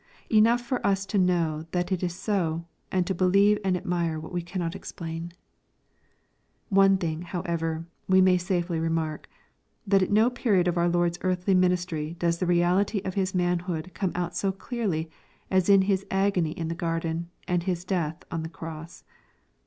Enough for us to know that it is so, and to believe and admire what we cannot explain. One thing, however, we may safely remark, that at no period x)f our Lord's earthly ministry does the reality of His manhood /come out so clearly as in His agony in the garden, and Hia I death on the cross.